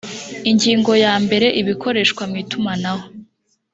ingingo yambere ibikoreshwa mu itumanaho